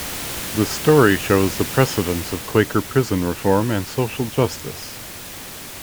The story shows the precedence of Quaker prison reform and social justice.